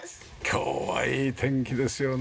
今日はいい天気ですよね。